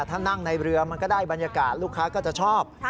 ถ้านั่งในเรือมันก็ได้บรรยากาศลูกค้าก็จะชอบ